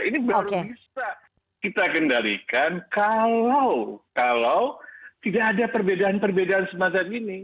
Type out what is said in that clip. ini baru bisa kita kendalikan kalau tidak ada perbedaan perbedaan semacam ini